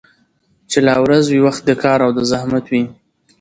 چي لا ورځ وي وخت د كار او د زحمت وي